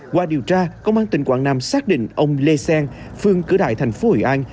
qua điều tra công an tỉnh quảng nam xác định ông lê xen phương cửa đại thành phố hội an